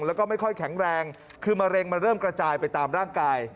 แล้วก็ไม่ค่อยแข็งแรงคือมะเร็งมันเริ่มกระจายไปตามร่างกาย